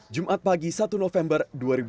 jumat pagi satu november dua ribu sembilan belas